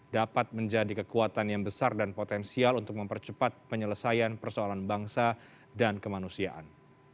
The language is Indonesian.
dapat menjadi kekuatan yang besar dan potensial untuk mempercepat penyelesaian persoalan bangsa dan kemanusiaan